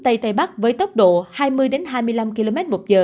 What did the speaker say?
tây tây bắc với tốc độ hai mươi hai mươi năm kmh